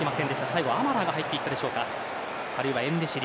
最後はアマラーが入っていったでしょうか。